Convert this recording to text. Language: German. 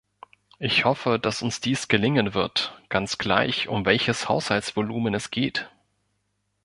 Ich hoffe, dass uns dies gelingen wird, ganz gleich, um welches Haushaltsvolumen es geht.